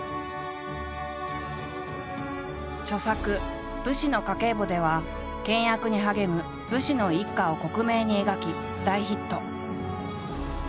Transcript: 著作「武士の家計簿」では倹約に励む武士の一家を克明に描き大ヒット。